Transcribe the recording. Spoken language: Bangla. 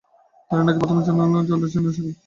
তাঁরাই নাকি প্রথমে জলের জন্য ঐ সকল গহ্বর খোদান।